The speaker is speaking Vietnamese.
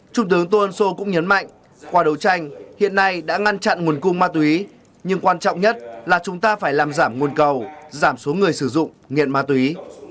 trung tướng tô ân sô cũng nhấn mạnh qua đấu tranh hiện nay đã ngăn chặn nguồn cung ma túy nhưng quan trọng nhất là chúng ta phải làm giảm nguồn cầu giảm số người sử dụng nghiện ma túy